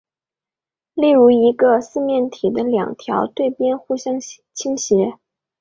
例如一个四面体的两条对边互相歪斜。